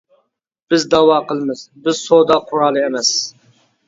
بىز داۋا قىلىمىز، بىز سودا قورالى ئەمەس .